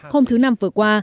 hôm thứ năm vừa qua